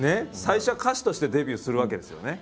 最初は歌手としてデビューするわけですよね？